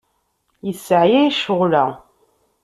Yesseɛyay ccɣel-a.